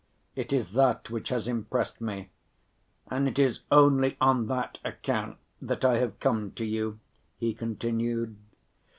It is that which has impressed me, and it is only on that account that I have come to you," he continued.